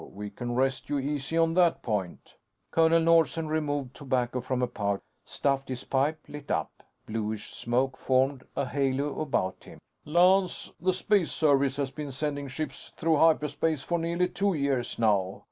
We can rest you easy on that point." Colonel Nordsen removed tobacco from a pouch, stuffed his pipe, lit up. Bluish smoke formed a halo about him. "Lance, the Space Service has been sending ships through hyperspace for nearly two years now.